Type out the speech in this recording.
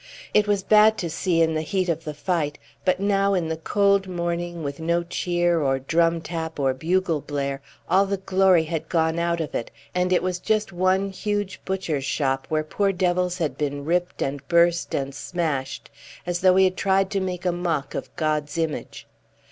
It was bad to see in the heat of fight; but now in the cold morning, with no cheer or drum tap or bugle blare, all the glory had gone out of it, and it was just one huge butcher's shop, where poor devils had been ripped and burst and smashed, as though we had tried to make a mock of God's image.